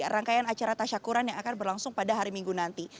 rangkaian acara tasyakuran yang akan berlangsung pada hari minggu nanti